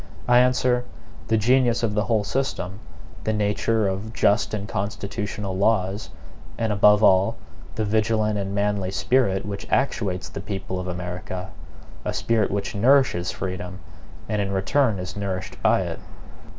I answer: the genius of the whole system; the nature of just and constitutional laws; and above all, the vigilant and manly spirit which actuates the people of America a spirit which nourishes freedom, and in return is nourished by it.